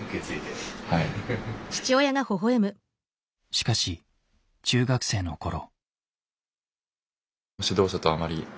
しかし中学生のころ。